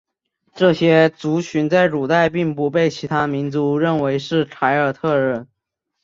这些族群在古代并不被其他民族认为是凯尔特人。